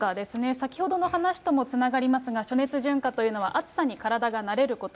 先ほどの話ともつながりますが、暑熱順化というのは、暑さに体が慣れること。